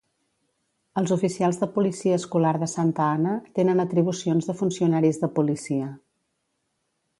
Els oficials de policia escolar de Santa Ana tenen atribucions de funcionaris de policia.